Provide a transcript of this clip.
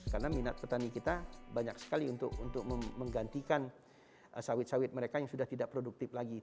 karena minat petani kita banyak sekali untuk menggantikan sawit sawit mereka yang sudah tidak produktif lagi